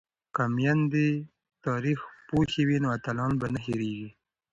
که میندې تاریخ پوهې وي نو اتلان به نه هیریږي.